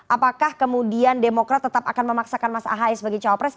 apakah kemudian demokrat tetap akan memaksakan mas ahy sebagai cawapres